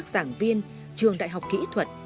do các giảng viên trường đại học kỹ thuật